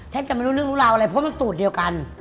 จะไม่รู้เรื่องรู้ราวอะไรเพราะมันสูตรเดียวกัน